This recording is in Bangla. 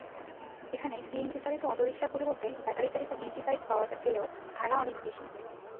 এখানে সিএনজিচালিত অটোরিকশার পরিবর্তে ব্যাটারিচালিত ইজিবাইক পাওয়া গেলেও ভাড়া অনেক বেশি।